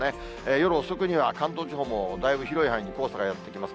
夜遅くには関東地方もだいぶ広い範囲に黄砂がやって来ます。